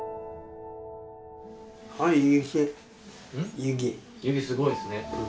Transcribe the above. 雪すごいですね。